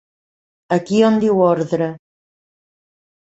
Aquí on diu ordre.